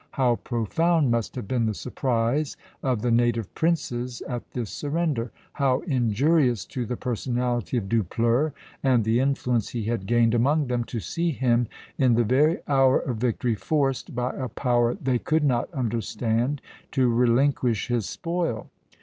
How profound must have been the surprise of the native princes at this surrender, how injurious to the personality of Dupleix and the influence he had gained among them, to see him, in the very hour of victory, forced, by a power they could not understand, to relinquish his spoil!